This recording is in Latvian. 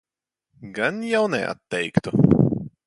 Gan jau neatteiktu.